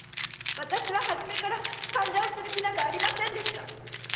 私は初めから間者をする気などありませんでした！